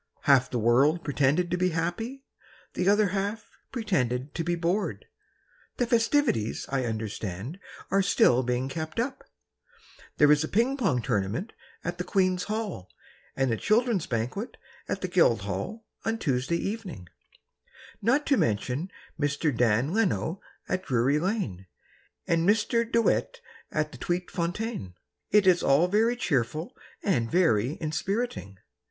Half the world pretended to be happy, The other half pretended to be bored. The festivities, I understand, Are still being kept up. There is a ping pong tournament at the Queen's Hall And a children's banquet At the Guildhall on Tuesday evening; Not to mention Mr. Dan Leno at Drury Lane And Mr. De Wet at the Tweefontein. It is all very cheerful And very inspiriting.